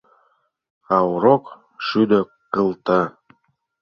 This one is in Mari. А урок — шӱдӧ кылта.